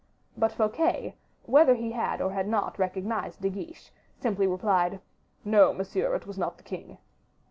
But Fouquet, whether he had or had not recognized De Guiche, simply replied, "No, monsieur, it was not the king."